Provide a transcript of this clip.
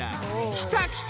きたきた！］